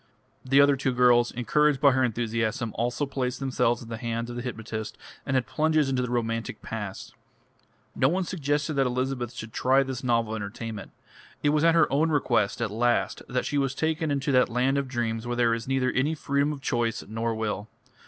The other two girls, encouraged by her enthusiasm, also placed themselves in the hands of the hypnotist and had plunges into the romantic past. No one suggested that Elizabeth should try this novel entertainment; it was at her own request at last that she was taken into that land of dreams where there is neither any freedom of choice nor will....